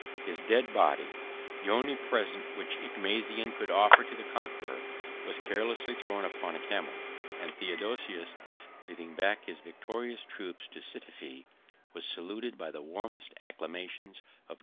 His dead body, the only present which Igmazen could offer to the conqueror, was carelessly thrown upon a camel; and Theodosius, leading back his victorious troops to Sitifi, was saluted by the warmest acclamations of joy and loyalty.